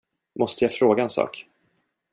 Måste jag fråga en sak.